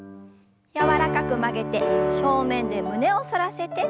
柔らかく曲げて正面で胸を反らせて。